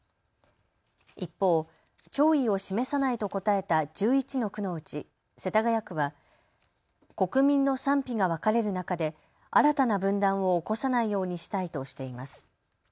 一方、弔意を示さないと答えた１１の区のうち世田谷区は国民の賛否が分かれる中で新たな分断を起こさないようにしたいとしています。